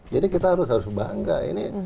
jadi kita harus bangga ini